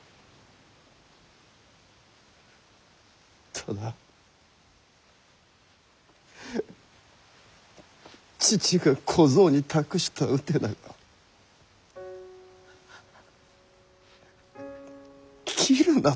ただ父が小僧に託したうてなが「斬るな」と。